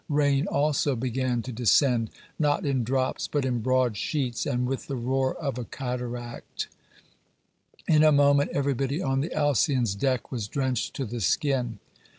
Rain also began to descend, not in drops, but in broad sheets and with the roar of a cataract; in a moment everybody on the Alcyon's deck was drenched to the skin.